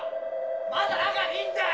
まだ中にいんだよ！